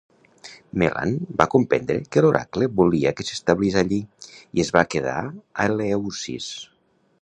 Melant va comprendre que l'oracle volia que s'establís allí i es va quedar a Eleusis.